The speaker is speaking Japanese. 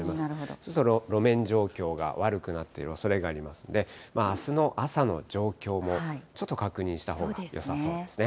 ちょっと路面状況が悪くなってるおそれがありますので、あすの朝の状況も、ちょっと確認したほうがよさそうですね。